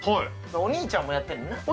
お兄ちゃんもやってんのやな。